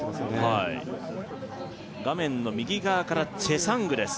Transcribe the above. はい画面の右側からチェサングです